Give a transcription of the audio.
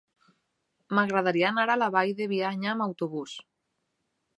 M'agradaria anar a la Vall de Bianya amb autobús.